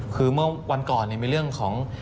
คือเมื่อวันก่อนมีเรื่องของ